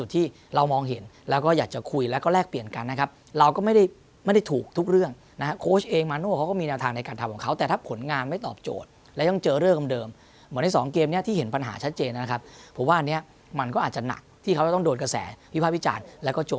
ที่เรามองเห็นแล้วก็อยากจะคุยแล้วก็แลกเปลี่ยนกันนะครับเราก็ไม่ได้ไม่ได้ถูกทุกเรื่องนะฮะโค้ชเองมาโน่เขาก็มีแนวทางในการทำของเขาแต่ถ้าผลงานไม่ตอบโจทย์และยังเจอเรื่องเดิมเหมือนในสองเกมนี้ที่เห็นปัญหาชัดเจนนะครับผมว่าอันนี้มันก็อาจจะหนักที่เขาจะต้องโดนกระแสวิภาพวิจารณ์แล้วก็โจ